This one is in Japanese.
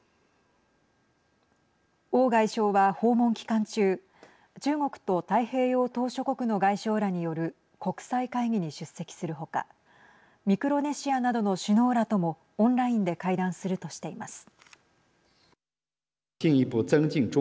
王外相は訪問期間中中国と太平洋島しょ国の外相らによる国際会議に出席するほかミクロネシアなどの首脳らともオンラインで会談するとしています。